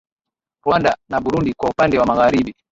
Rwanda na Burundi kwa upande wa Magharibi